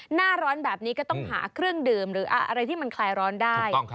หน้าร้อนแบบนี้ก็ต้องหาเครื่องดื่มหรืออะไรที่มันคลายร้อนได้